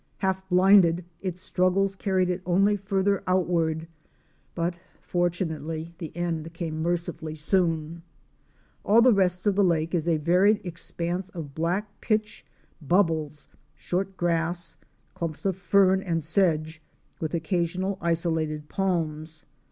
Half blinded, its struggles carried it only farther outward, but fortunately the end came mer cifully soon. All the rest of the lake is a varied expanse of black pitch Fic. 32. AMAZON Parrot Roost, PircH Lake. bubbles, short grass, clumps of fern and sedge, with occasional isolated palms.